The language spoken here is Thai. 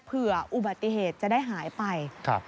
เผื่ออุบัติเหตุจะได้หายไป